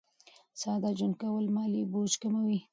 ساده ژوند کول مالي بوج کموي.